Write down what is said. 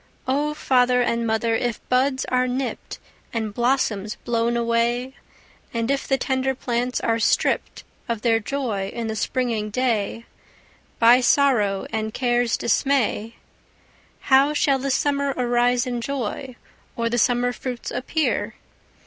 O father and mother if buds are nipped, And blossoms blown away; And if the tender plants are stripped Of their joy in the springing day, By sorrow and care's dismay,— How shall the summer arise in joy, Or the summer fruits appear?